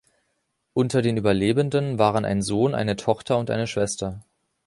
Unter den Überlebenden waren ein Sohn, eine Tochter und eine Schwester.